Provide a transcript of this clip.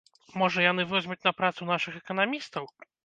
Можа, яны возьмуць на працу нашых эканамістаў?